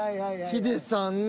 ヒデさん。